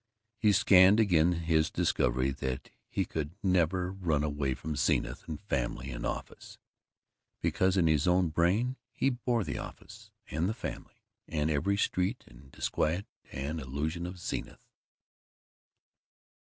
He scanned again his discovery that he could never run away from Zenith and family and office, because in his own brain he bore the office and the family and every street and disquiet and illusion of Zenith.